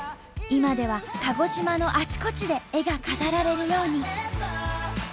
今では鹿児島のあちこちで絵が飾られるように。